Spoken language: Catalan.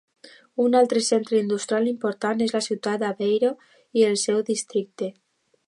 Un altre centre industrial important és la ciutat d'Aveiro i el seu districte.